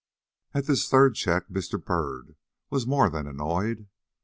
At this third check, Mr. Byrd was more than annoyed.